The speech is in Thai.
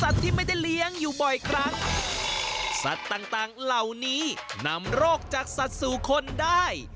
ต่างเหล่านี้นำโรคจากสัตว์สู่คนได้